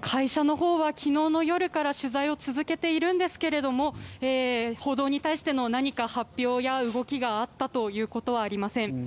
会社のほうが昨日の夜から取材を続けているんですが報道に対しての何か、発表や動きがあったということはありません。